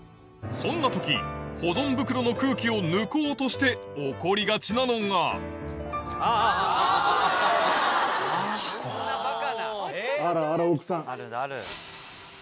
そんな時保存袋の空気を抜こうとして起こりがちなのがまたあんたか。